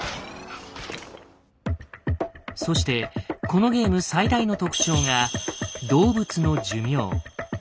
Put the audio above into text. そしてこのゲーム最大の特徴が動物の「寿命」。